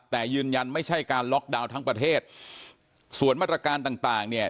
แต่ยืนยันไม่ใช่การล็อกดาวน์ทั้งประเทศส่วนมาตรการต่างต่างเนี่ย